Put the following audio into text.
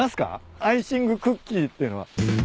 アイシングクッキーってのは。